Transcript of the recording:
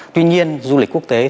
tuy nhiên du lịch quốc tế